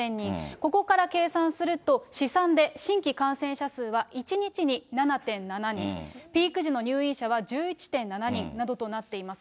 ここから計算すると、試算で新規感染者数は１日に７．７人、ピーク時の入院者は１１．７人などとなっています。